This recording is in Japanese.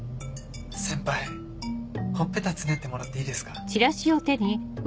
先輩ほっぺたつねってもらっていいですか？